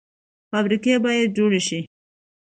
فابریکې باید جوړې شي